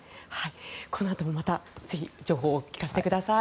このあともまたぜひ、情報を聞かせてください。